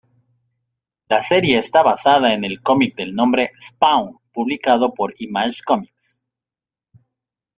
La serie está basada en el cómic del nombre Spawn publicado por Image Comics.